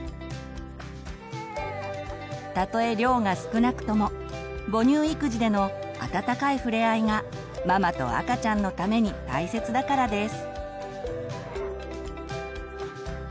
たとえ量が少なくとも母乳育児でのあたたかいふれあいがママと赤ちゃんのために大切だからです。